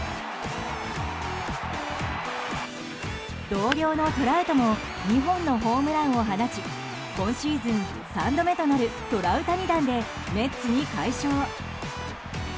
同僚のトラウトも２本のホームランを放ち今シーズン３度目となるトラウタニ弾でメッツに快勝。